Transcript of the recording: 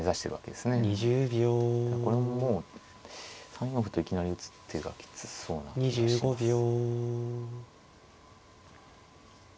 これももう３四歩といきなり打つ手がきつそうな気がします。